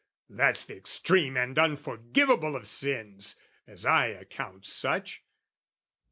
That's the extreme and unforgivable Of sins, as I account such.